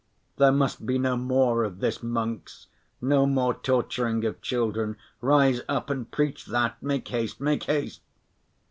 There must be no more of this, monks, no more torturing of children, rise up and preach that, make haste, make haste!